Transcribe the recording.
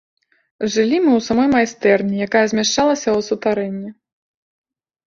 Жылі мы ў самой майстэрні, якая змяшчалася ў сутарэнні.